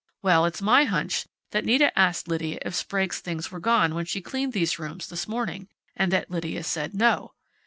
Well, it's my hunch that Nita asked Lydia if Sprague's things were gone when she cleaned these rooms this morning, and that Lydia said no.